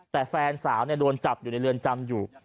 แต่แฟนสาวโดนจับอยู่ในเรือนจำอยู่